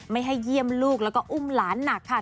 ไม่ให้เยี่ยมลูกแล้วก็อุ้มหลานหนักค่ะ